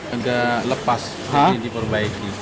agak lepas ini diperbaiki